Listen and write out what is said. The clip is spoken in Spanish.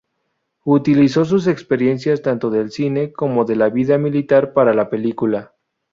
Utilizó sus experiencias tanto del cine como de la vida militar para la película.